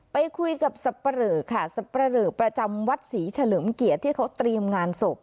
ไปคุยกับสับปะเหลอค่ะสับปะเหลอประจำวัดศรีเฉลิมเกียรติที่เขาเตรียมงานศพ